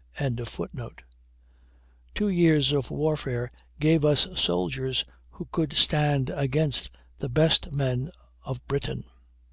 "] two years of warfare gave us soldiers who could stand against the best men of Britain.